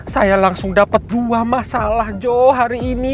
saya langsung dapet dua masalah joe hari ini